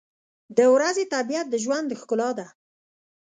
• د ورځې طبیعت د ژوند ښکلا ده.